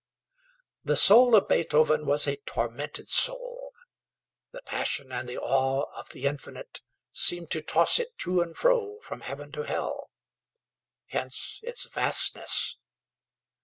The soul of Beethoven was a tormented soul. The passion and the awe of the infinite seemed to toss it to and fro from heaven to hell. Hence its vastness.